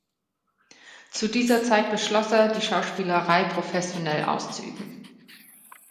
Zu dieser Zeit beschloss er, die Schauspielerei professionell auszuüben.